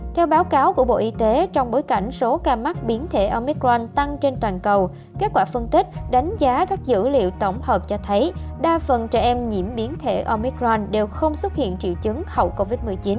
theo báo cáo của bộ y tế trong bối cảnh số ca mắc biến thể omicron tăng trên toàn cầu kết quả phân tích đánh giá các dữ liệu tổng hợp cho thấy đa phần trẻ em nhiễm biến thể omicron đều không xuất hiện triệu chứng hậu covid một mươi chín